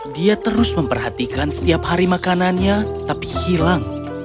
dia terus memperhatikan setiap hari makanannya tapi hilang